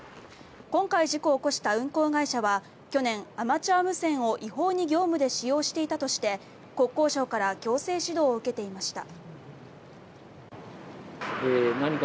今回、事故を起こした運航会社は去年、アマチュア無線を違法に業務で使用していたとして国交省から行政指導を受けていました。